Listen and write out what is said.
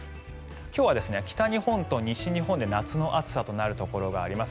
今日は北日本と西日本で夏の暑さとなるところがあります。